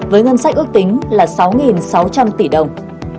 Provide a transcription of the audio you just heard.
với ngân sách ước tính là sáu sáu trăm linh tỷ đồng